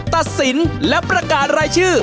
ตัดสินและประกาศรายชื่อ